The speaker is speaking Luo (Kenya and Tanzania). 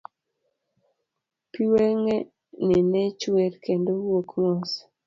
Pi wenge gi ne chwer, kendo wuok mos.